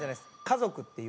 「家族」っていう。